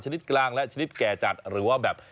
กลางและชนิดแก่จัดหรือว่าแบบ